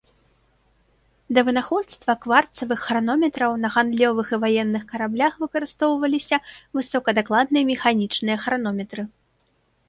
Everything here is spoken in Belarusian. Да вынаходства кварцавых хранометраў, на гандлёвых і ваенных караблях выкарыстоўваліся высокадакладныя механічныя хранометры.